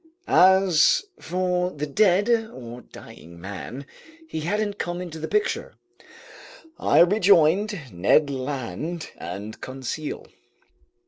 As for the dead or dying man, he hadn't come into the picture. I rejoined Ned Land and Conseil.